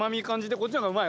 こっちの方がうまい？